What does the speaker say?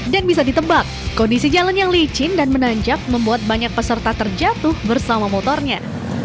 dan bisa ditebak kondisi jalan yang licin dan menanjak membuat banyak peserta terjatuh bersama motornya